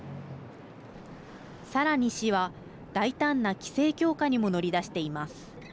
さらに市は大胆な規制強化にも乗り出しています。